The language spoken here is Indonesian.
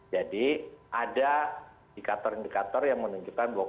jadi ada indikator indikator yang menunjukkan bahwa